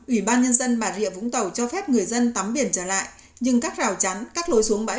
ủy ban nhân dân bà rịa vũng tàu cho phép người dân tắm biển trở lại